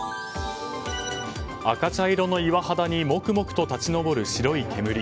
赤茶色の岩肌にもくもくと立ち上る白い煙。